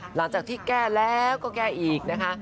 หลังจากที่แก้แล้วก็แก้อีกนะคะ